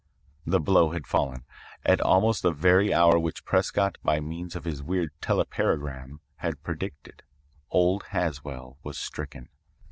"The blow had fallen. At almost the very hour which Prescott, by means of his weird telepagram had predicted, old Haswell was stricken.